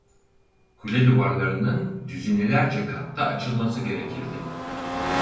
Kule duvarlarının düzinelerce katta açılması gerekirdi.